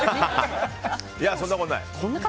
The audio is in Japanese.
そんなことない。